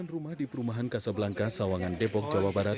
sembilan rumah di perumahan kasablangka sawangan depok jawa barat